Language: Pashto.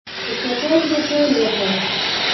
په سفر مو پیل وکړ.